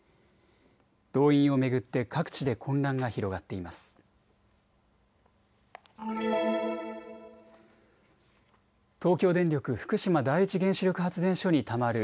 動員を巡って各地で混乱が広がっています。